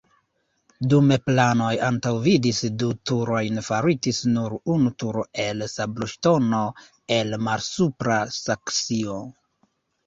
Dume planoj antaŭvidis du turojn faritis nur unu turo el sabloŝtono el Malsupra Saksio.